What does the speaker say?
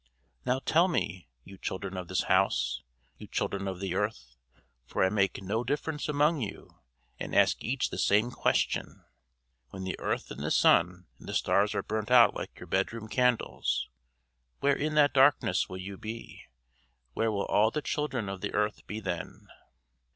Now tell me, you children of this house, you children of the earth, for I make no difference among you and ask each the same question: when the earth and the sun and the stars are burnt out like your bedroom candles, where in that darkness will you be? Where will all the children of the earth be then?"